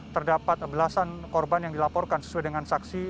terdapat belasan korban yang dilaporkan sesuai dengan saksi